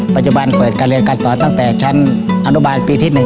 ปัจจุบันเปิดการเรียนการสอนตั้งแต่ชั้นอนุบาลปีที่๑